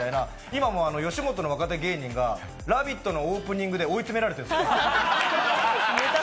今も吉本の若手芸人が「ラヴィット！」のオープニングで追い詰められてるんです。